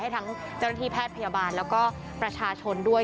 ทั้งเจ้าหน้าที่แพทย์พยาบาลแล้วก็ประชาชนด้วย